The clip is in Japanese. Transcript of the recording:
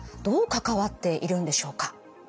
どう関わっているんでしょうか？